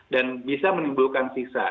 dan bisa menimbulkan sisa